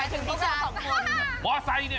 หมอไซน์เหรอ